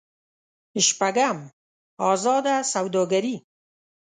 شپږم: ازاده سوداګري.